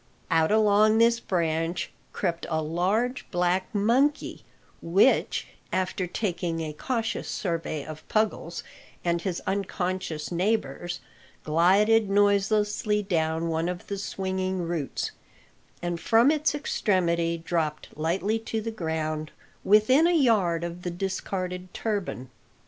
Out along this branch crept a large black monkey, which, after taking a cautious survey of Puggles and his unconscious neighbours, glided noiselessly down one of the swinging roots, and from its extremity dropped lightly to the ground within a yard of the discarded turban.